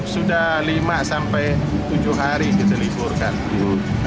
sudah lima sampai tujuh hari kita liburkan